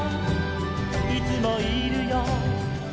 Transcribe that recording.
「いつもいるよ」